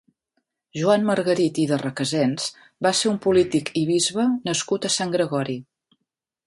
Joan Margarit i de Requesens va ser un polític i bisbe nascut a Sant Gregori.